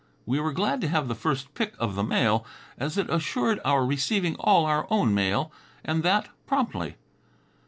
We were glad to have the first pick of the mail, as it assured our receiving all our own mail, and that promptly.